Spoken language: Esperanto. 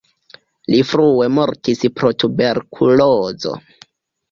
Li frue mortis pro tuberkulozo.